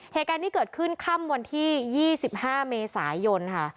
เหตุการณ์ที่เกิดขึ้นค่ำวันที่๒๕เมษายนค่ะ